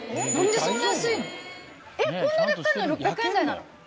何でそんな安いの？